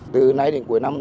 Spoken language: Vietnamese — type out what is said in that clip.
từ nay đến cuối năm